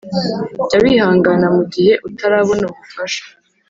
Jya wihangana mu gihe utarabona ubufasha.